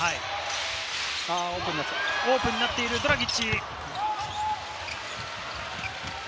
オープンになっているドラギッチ。